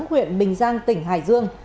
huyện bình giang tỉnh hải dương